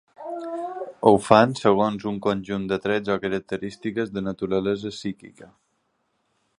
Ho fan segons un conjunt de trets o característiques de naturalesa psíquica.